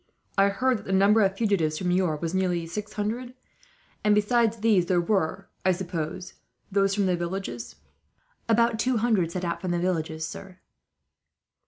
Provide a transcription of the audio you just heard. I heard that the number of fugitives from Niort was nearly six hundred, and besides these there were, I suppose, those from the villages." "About two hundred set out from the villages, sir."